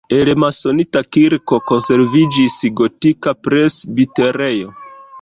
El masonita kirko konserviĝis gotika presbiterejo.